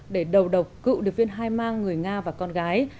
để đầu độc cựu điệp viên hai mang người nga và con gái